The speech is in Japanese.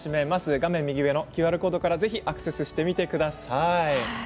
画面右上のＱＲコードからアクセスしてみてください。